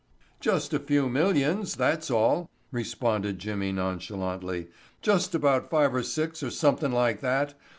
"Just a few millions, that's all," responded Jimmy nonchalantly. "Just about five or six or somethin' like that.